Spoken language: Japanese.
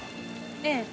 ええ。